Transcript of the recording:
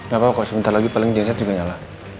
gak apa apa kok sebentar lagi paling jasad juga nyala